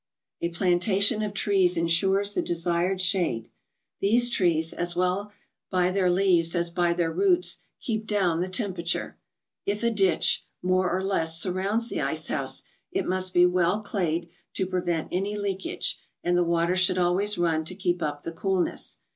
A plantation of trees ensures the desired shade; these trees, as well by their leaves as by their roots, keep down the temperature. If a ditch, more or less, surrounds the ice house, it must be well clayed to prevent any leakage, and the water should always run to keep up the coolness.